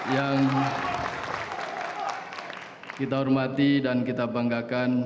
yang kita hormati dan kita banggakan